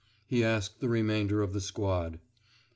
he asked the remainder of the squad.